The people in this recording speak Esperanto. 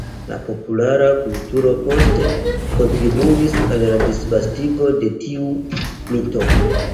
La populara kulturo poste kontribuis al la disvastigo de tiu mito.